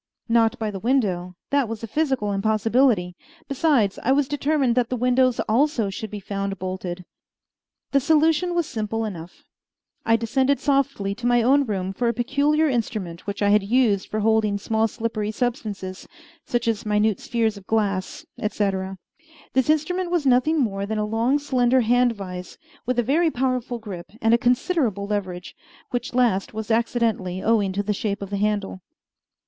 Not by the window; that was a physical impossibility. Besides, I was determined that the windows also should be found bolted. The solution was simple enough. I descended softly to my own room for a peculiar instrument which I had used for holding small slippery substances, such as minute spheres of glass, etc. This instrument was nothing more than a long, slender hand vise, with a very powerful grip and a considerable leverage, which last was accidentally owing to the shape of the handle.